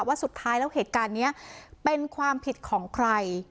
ว่าสุดท้ายแล้วเหตุการณ์นี้เป็นความผิดของใคร